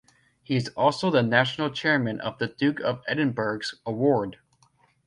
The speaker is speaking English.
He is also the National Chairman of the Duke of Edinburgh's Award.